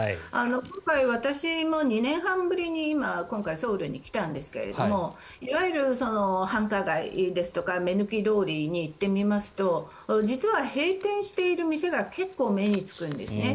今回、私も２年半ぶりにソウルに来たんですけどもいわゆる繁華街ですとか目抜き通りに行ってみますと実は、閉店している店が結構、目につくんですね。